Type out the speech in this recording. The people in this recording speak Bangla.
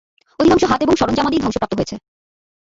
অধিকাংশ হাত এবং সরঞ্জামাদি ধ্বংসপ্রাপ্ত হয়েছে।